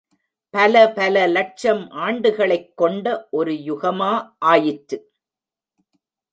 பல பல லட்சம் ஆண்டுகளைக் கொண்ட ஒரு யுகமா ஆயிற்று?